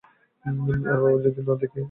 আর বাবা যদি না দেখে, তো?